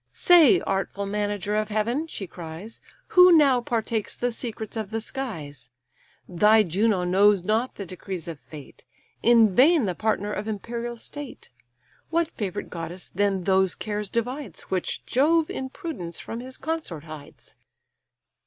"Say, artful manager of heaven (she cries), Who now partakes the secrets of the skies? Thy Juno knows not the decrees of fate, In vain the partner of imperial state. What favourite goddess then those cares divides, Which Jove in prudence from his consort hides?"